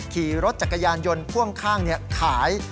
ขี่รถจักรยานยนต์พ่วงข้างขาย